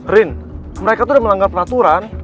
rin mereka itu udah melanggar peraturan